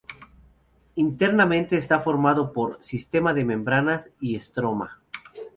Internamente está formado por: sistema de membranas y estroma.